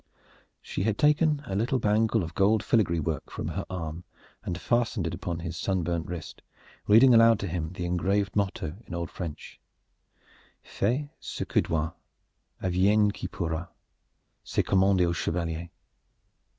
She had taken a little bangle of gold filigree work from her arm and fastened it upon his sunburnt wrist, reading aloud to him the engraved motto in old French: "Fais ce que dois, adviegne que pourra c'est commande au chevalier."